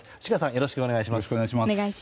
よろしくお願いします。